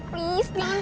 bu please jangan pulang